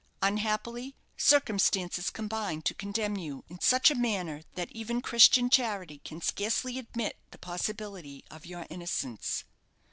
Unhappily, circumstances combine to condemn you in such a manner that even Christian charity can scarcely admit the possibility of your innocence."